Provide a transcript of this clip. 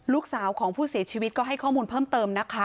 ลูกสาวของผู้เสียชีวิตก็ให้ข้อมูลเพิ่มเติมนะคะ